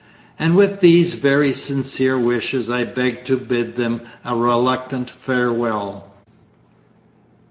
And with these very sincere wishes I beg to bid them a reluctant farewell.